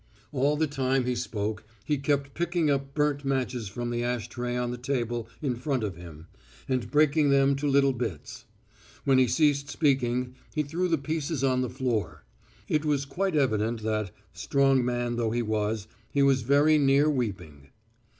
All the time he spoke he kept picking up burnt matches from the ash tray on the table in front of him, and breaking them to little bits. When he ceased speaking, he threw the pieces on the floor. It was quite evident that, strong man though he was, he was very near weeping.